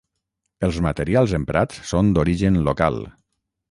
Els materials emprats són d'origen local.